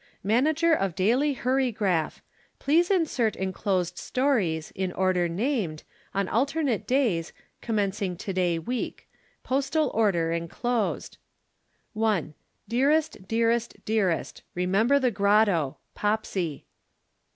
"Manager of Daily Hurrygraph. Please insert enclosed series, in order named, on alternate days, commencing to day week. Postal order enclosed." "'1. Dearest, dearest, dearest. Remember the grotto. POPSY.